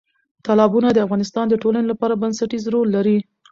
تالابونه د افغانستان د ټولنې لپاره بنسټيز رول لري.